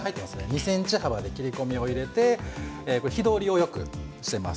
１ｃｍ幅の切り込みを入れて火の通りをよくしています。